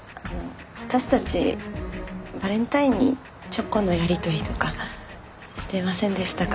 私たちバレンタインにチョコのやり取りとかしてませんでしたから。